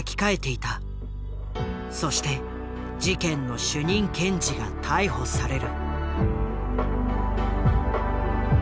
そして事件の主任検事が逮捕される。